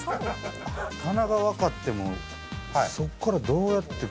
棚がわかってもそこからどうやって。